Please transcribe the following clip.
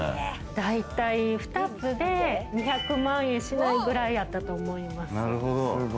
だいたい２つで２００万円しないくらいやったと思います。